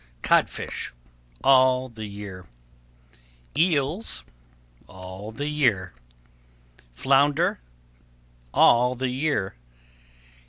Codfish All the year. Eels All the year. Flounder All the year.